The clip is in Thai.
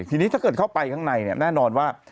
ทีนี้ถ้าเกิดเข้าไปข้างในเนี่ยแน่นอนว่า